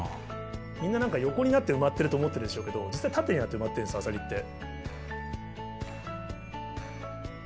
みんな何か横になって埋まってると思ってるでしょうけど実は縦になって埋まってるんですアサリって。